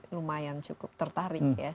lumayan cukup tertarik ya